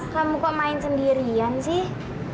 kamu kok main sendirian sih